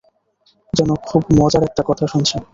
যেন খুব মজার একটা কথা শুনছে।